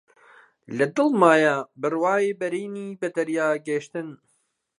لە دڵمایە بڕوای بەرینی بە دەریا گەیشتن